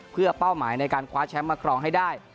เพื่อเป้าหมายในการคว้าแชมป์มาครองให้ได้